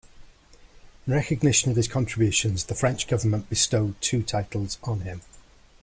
In recognition of his contributions the French government bestowed two titles on him.